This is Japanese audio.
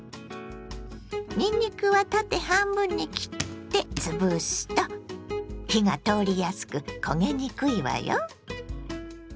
にんにくは縦半分に切ってつぶすと火が通りやすく焦げにくいわよ。